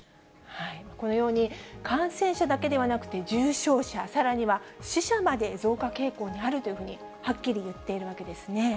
このように、感染者だけでなくて、重症者、さらには死者まで増加傾向にあるというふうに、はっきり言っているわけですね。